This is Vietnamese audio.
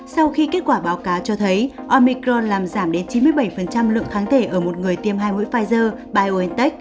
sau khi kết quả báo cáo cho thấy omicron làm giảm đến chín mươi bảy lượng kháng thể ở một người tiêm hai mũi pfizer biontech